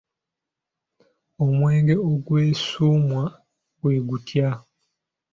Omwenge ogwessuumwa gwe tutya?